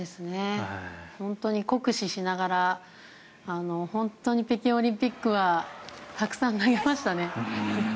本当に酷使しながら本当に北京オリンピックはたくさん投げましたね。